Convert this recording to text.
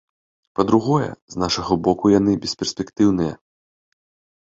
Па-другое, з нашага боку яны бесперспектыўныя.